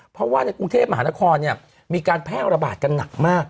เพราะว่าในกรุงเทพมหานครมีการแพร่ระบาดกันหนักมาก